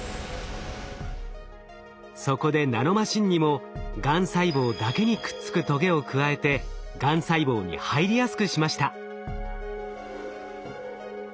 そこでナノマシンにもがん細胞だけにくっつくトゲを加えてがん細胞に入りやすくしました。